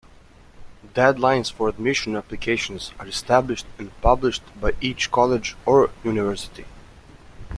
Deadlines for admission applications are established and published by each college or university.